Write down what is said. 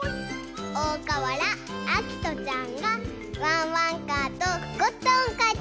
おおかわらあきとちゃんがワンワンカーとゴットンをかいてくれました。